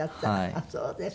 ああそうですか。